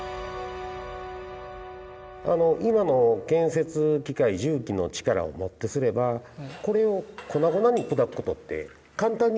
あの今の建設機械重機の力を持ってすればこれを粉々に砕くことって簡単にできるんですよね。